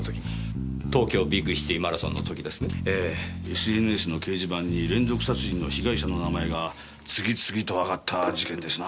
ＳＮＳの掲示板に連続殺人の被害者の名前が次々と挙がった事件ですな。